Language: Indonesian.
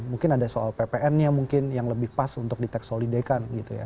mungkin ada soal ppn nya yang lebih pas untuk diteksolidekan